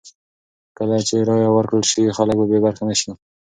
کله چې رایه ورکړل شي، خلک به بې برخې نه شي.